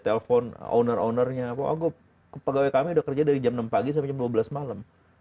telepon owner ownernya pegawai kami udah kerja dari jam enam pagi sampai jam dua belas malam